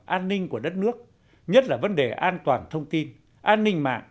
an ninh của đất nước nhất là vấn đề an toàn thông tin an ninh mạng